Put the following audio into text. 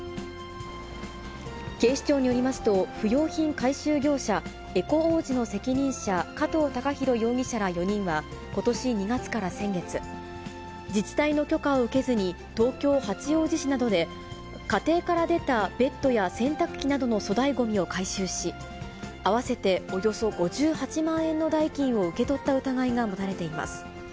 警視庁によりますと、不用品回収業者、エコ王子の責任者、加藤恭大容疑者ら４人は、ことし２月から先月、自治体の許可を受けずに、東京・八王子市などで、家庭から出たベッドや洗濯機などの粗大ごみを回収し、合わせておよそ５８万円の代金を受け取った疑いが持たれています。